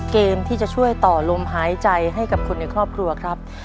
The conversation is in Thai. เกมที่จะช่วยต่อลมหายใจให้กับคนในครอบครัวครับ